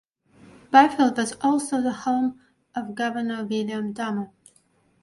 Byfield was also the home of Governor William Dummer.